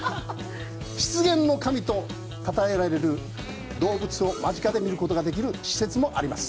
「湿原の神」とたたえられる動物を間近で見ることができる施設もあります。